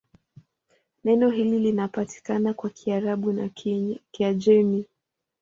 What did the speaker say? Neno hili linapatikana kwa Kiarabu na Kiajemi.